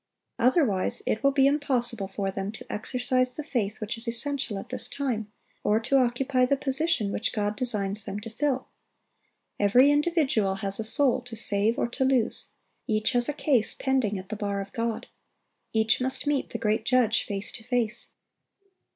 Otherwise, it will be impossible for them to exercise the faith which is essential at this time, or to occupy the position which God designs them to fill. Every individual has a soul to save or to lose. Each has a case pending at the bar of God. Each must meet the great Judge face to face.